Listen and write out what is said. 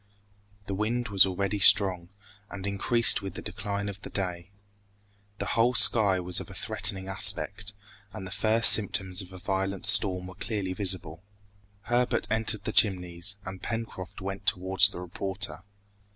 The wind was already strong, and increased with the decline of day. The whole sky was of a threatening aspect, and the first symptoms of a violent storm were clearly visible. Herbert entered the Chimneys, and Pencroft went towards the reporter.